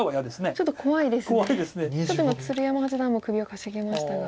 ちょっと今鶴山八段も首をかしげましたが。